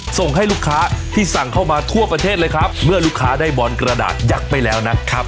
ส่งให้ลูกค้าที่สั่งเข้ามาทั่วประเทศเลยครับเมื่อลูกค้าได้บอลกระดาษยักษ์ไปแล้วนะครับ